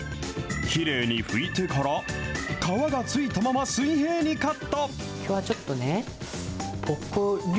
きれいに拭いてから、皮がついたまま水平にカット。